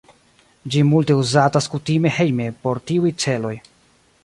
Ĝi multe uzatas kutime hejme por tiuj celoj.